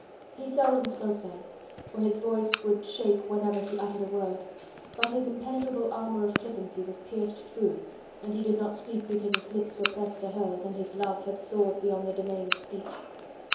He seldom spoke then, for his voice would shake whenever he uttered a word: but his impenetrable armour of flippancy was pierced through and he did not speak because his lips were pressed to hers, and his love had soared beyond the domain of speech.